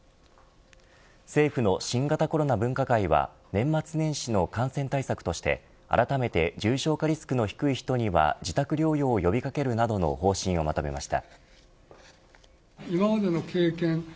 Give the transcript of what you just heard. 政府の新型コロナ分科会は年末年始の感染対策としてあらためて重症化リスクの低い人には自宅療養呼びかけるなどの方針をまとめました。